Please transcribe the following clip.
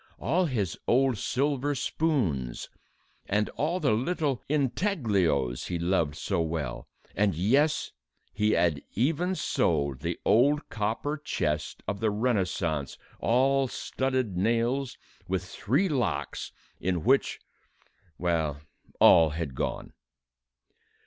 All his old silver spoons and all the little intaglios he loved so well, and yes! he had even sold the old copper chest of the Renaissance, all studded nails, with three locks, in which ... well, all had gone.